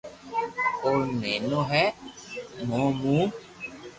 او نينو ھي مون مون